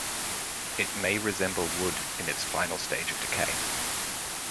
It may resemble wood in its final stage of decay.